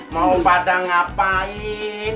mau pada ngapain